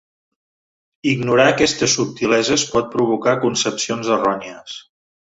Ignorar aquestes subtileses pot provocar concepcions errònies.